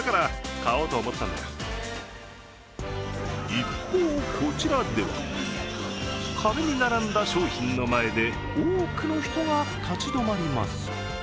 一方、こちらでは壁に並んだ商品の前で多くの人が立ち止まります。